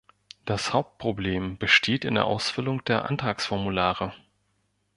Das Hauptproblem besteht in der Ausfüllung der Antragsformulare.